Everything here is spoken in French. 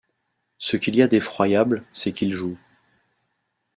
Ce qu’il y a d’effroyable, c’est qu’ils jouent.